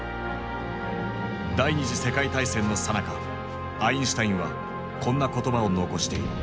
第二次世界大戦のさなかアインシュタインはこんな言葉を残している。